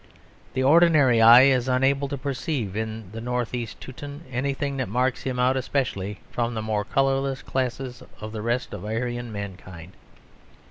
The ordinary eye is unable to perceive in the North East Teuton anything that marks him out especially from the more colourless classes of the rest of Aryan mankind.